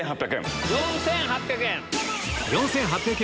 ４８００円。